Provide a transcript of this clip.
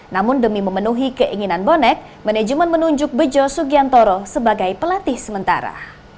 namun demi memenuhi keinginan bonek manajemen menunjuk bejo sugiantoro sebagai pelatih sementara